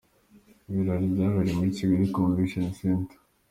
Ibirori byabereye muri Kigali Convention Centre.